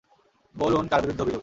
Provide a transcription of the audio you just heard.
বলুন, কার বিরুদ্ধে অভিযোগ?